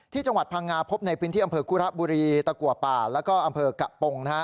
ที่จังหวัดพังงาพบในพื้นที่อำเภอคุระบุรีตะกัวป่าแล้วก็อำเภอกะปง